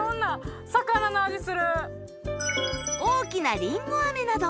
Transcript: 大きなりんご飴など